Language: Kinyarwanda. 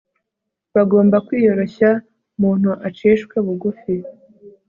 bazagomba kwiyoroshya, muntu acishwe bugufi